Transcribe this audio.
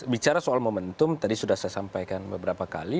bicara soal momentum tadi sudah saya sampaikan beberapa kali